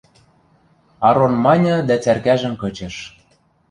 – Арон маньы дӓ цӓркӓжӹм кычыш.